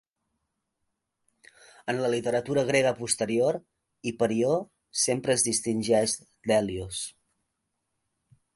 En la literatura grega posterior Hiperió sempre es distingeix d'Hèlios.